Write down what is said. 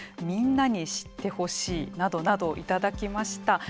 みんなに知ってほしいなどなどいただきました。